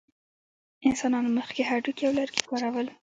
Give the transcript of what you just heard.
انسانانو مخکې هډوکي او لرګي کارول.